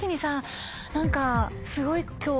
何かすごい今日。